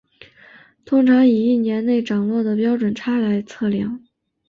通常以一年内涨落的标准差来测量。